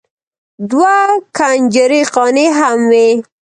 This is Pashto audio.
دوه کنجرې خانې هم وې.